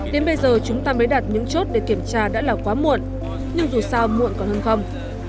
đến bây giờ chúng ta mới đặt những chốt để kiểm tra đã là quá muộn nhưng dù sao muộn còn hơn không